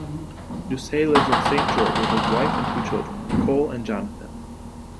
Doucet lives in Saint George with his wife and two children, Nicole and Jonathan.